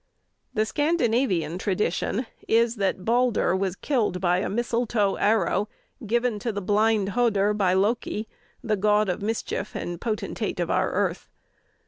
The Scandinavian tradition is that Balder was killed by a mistletoe arrow given to the blind Höder by Loki, the god of mischief and potentate of our earth.